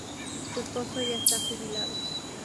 Su esposo ya está jubilado.